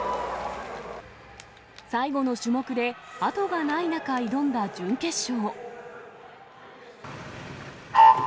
最後の種目で後がない中挑んだ準決勝。